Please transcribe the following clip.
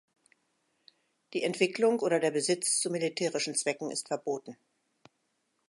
Die Entwicklung oder der Besitz zu militärischen Zwecken ist verboten.